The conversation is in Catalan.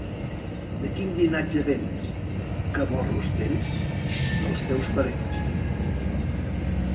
De quin llinatge vens, que morros tens? —Dels teus parents.